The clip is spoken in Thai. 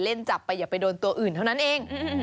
จับไปอย่าไปโดนตัวอื่นเท่านั้นเอง